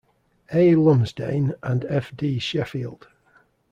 A. Lumsdaine, and F. D. Sheffield.